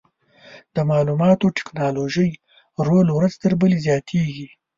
د معلوماتي ټکنالوژۍ رول ورځ تر بلې زیاتېږي.